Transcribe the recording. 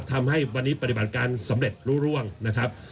ทำให้วันนี้ปฏิบัติการสำเร็จรู้ร่วงนะครับ